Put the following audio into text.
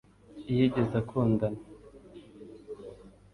yigeze akundana